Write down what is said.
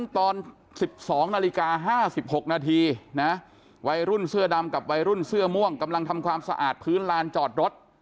ผู้สรรคคน๒คนเป็นแบบมาลุมมาตุ้มกันแบบนี้ค่ะ